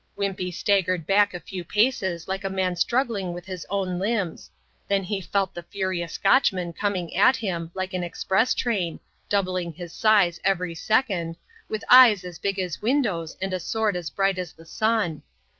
Wimpey staggered back a few paces like a man struggling with his own limbs. Then he felt the furious Scotchman coming at him like an express train, doubling his size every second, with eyes as big as windows and a sword as bright as the sun.